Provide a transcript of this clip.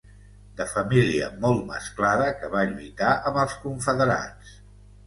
De família molt mesclada que va lluitar amb els Confederats.